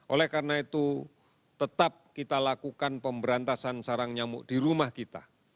oleh karena itu tetap kita lakukan pemberantasan sarang nyamuk di rumah kita